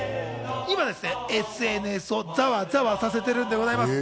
今ですね、ＳＮＳでざわざわさせているんでございます。